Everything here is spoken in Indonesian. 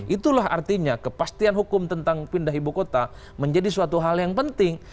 itulah artinya kepastian hukum tentang pindah ibu kota menjadi suatu hal yang penting